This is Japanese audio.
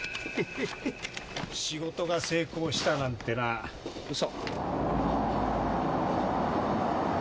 仕事が成功したなんてのは嘘。